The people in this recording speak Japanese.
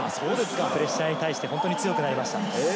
プレッシャーに対して本当に強くなりました。